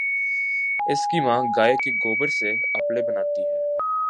اس کی ماں گائےکے گوبر سے اپلے بناتی ہے